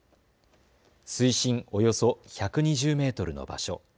水深およそ１２０メートルの場所。